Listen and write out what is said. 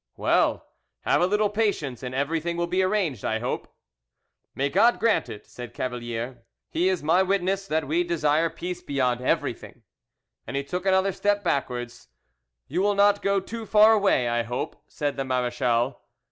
"Well, have a little patience and everything will be arranged, I hope." "May God grant it!" said Cavalier. "He is my witness that we desire peace beyond everything." And he took another step backwards. "You will not go too far away, I hope," said the marechal.